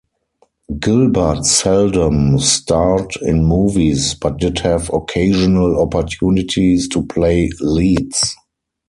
Gilbert seldom starred in movies but did have occasional opportunities to play leads.